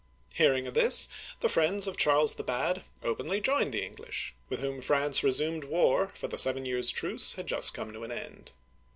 Hearing of this, the friends of Charles the Bad openly joined the English, with whom France resumed war, for the seven years* truce had just come to an end.